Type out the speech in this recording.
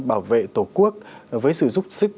bảo vệ tổ quốc với sự giúp sức